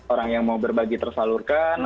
orang yang mau berbagi tersalurkan